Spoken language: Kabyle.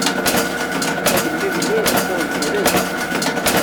Agelmim-nni tuɣ yegres.